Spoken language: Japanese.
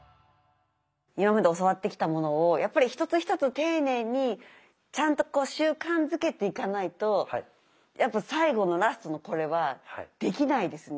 今まで教わってきたものをやっぱり一つ一つ丁寧にちゃんとこう習慣づけていかないとやっぱ最後のラストのこれはできないですね。